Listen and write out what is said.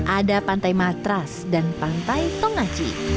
ada pantai matras dan pantai tongaci